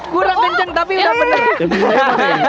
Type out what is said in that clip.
kurang kenceng tapi udah bener kurang kenceng tapi udah bener ya